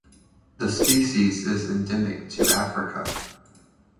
The species is endemic to Africa.